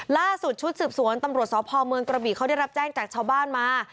ล่าสุดชุดสืบสวนตำรวจสพเมืองกระบี่เขาได้รับแจ้งจากชาวบ้านมา